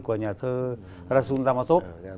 của nhà thơ rasul dammatov